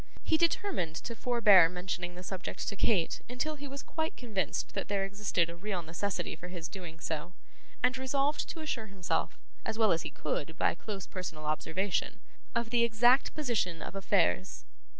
He determined to forbear mentioning the subject to Kate until he was quite convinced that there existed a real necessity for his doing so; and resolved to assure himself, as well as he could by close personal observation, of the exact position of affairs.